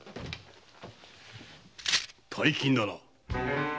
大金だなぁ。